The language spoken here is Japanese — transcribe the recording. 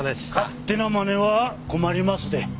勝手なまねは困りますで。